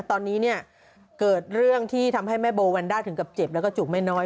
ตอนนี้เนี่ยเกิดเรื่องที่ทำให้แม่โบวันด้าถึงกับเจ็บแล้วก็จุกไม่น้อย